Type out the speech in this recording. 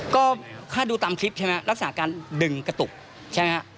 ก็ถ้าดูตามคลิปใช่ไหมลักษณะการดึงกระตุกใช่ไหมฮะ